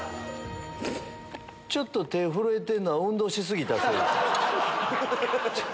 ちょっと手震えてんのは運動し過ぎたせいですか？